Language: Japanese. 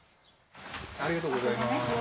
ありがとうございます。